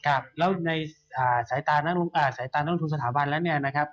ครับแล้วในสายตาสายตานักลงทุนสถาบันแล้วเนี่ยนะครับ